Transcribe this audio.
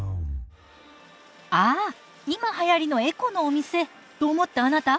ああ今はやりのエコのお店と思ったあなた。